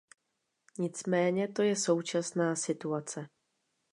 Nicméně to je současná situace.